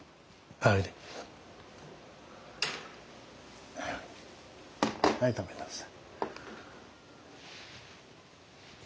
はい食べなさい。